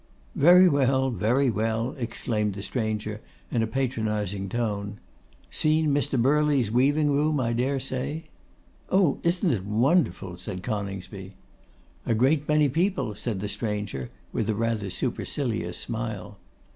'Very well, very well,' exclaimed the stranger, in a patronising tone. 'Seen Mr. Birley's weaving room, I dare say?' 'Oh! isn't it wonderful?' said Coningsby. 'A great many people.' said the stranger, with a rather supercilious smile.